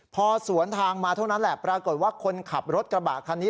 พอสวนทางมาเท่านั้นแหละปรากฏว่าคนขับรถกระบะคันนี้